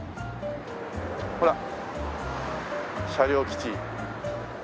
ほら車両基地。